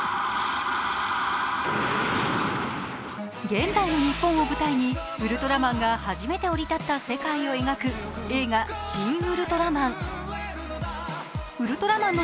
現代の日本を舞台に、ウルトラマンが初めて降り立った世界を描く映画「シン・ウルトラマン」。